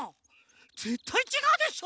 ぜったいちがうでしょ！